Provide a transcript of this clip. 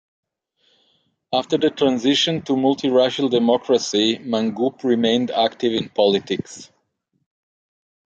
After the transition to multiracial democracy, Mangope remained active in politics.